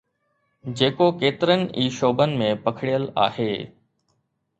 جيڪو ڪيترن ئي شعبن ۾ پکڙيل آهي.